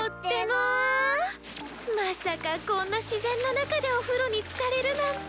まさかこんな自然の中でお風呂につかれるなんて。